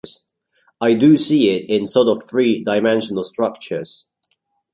I do see it in sort of three-dimensional structures.